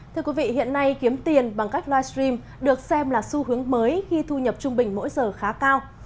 thưa quý vị hiện nay kiếm tiền bằng cách livestream được xem là xu hướng mới khi thu nhập trung bình mỗi giờ khá cao